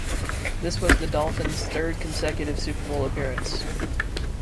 This was the Dolphins' third consecutive Super Bowl appearance.